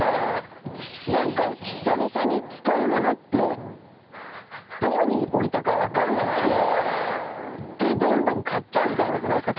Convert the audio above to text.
なんか久々に使うものってどこに置いたかわかんなくてでどんどん買っちゃうみたいな事ないですか？